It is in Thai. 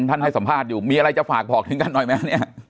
ให้สัมภาษณ์อยู่มีอะไรจะฝากบอกถึงกันหน่อยไหมเนี่ย